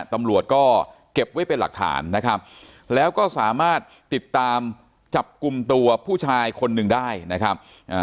ตำรวจก็เก็บไว้เป็นหลักฐานนะครับแล้วก็สามารถติดตามจับกลุ่มตัวผู้ชายคนหนึ่งได้นะครับ